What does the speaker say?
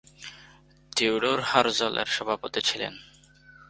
Theodore Herzl এর সভাপতি ছিলেন।